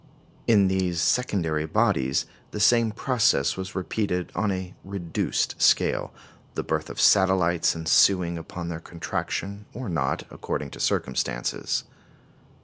In these secondary bodies the same process was repeated on a reduced scale, the birth of satellites ensuing upon their contraction, or not, according to circumstances.